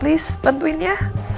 tante bantuin ya